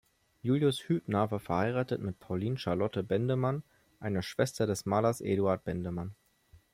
Julius Hübner war verheiratet mit Pauline Charlotte Bendemann, einer Schwester des Malers Eduard Bendemann.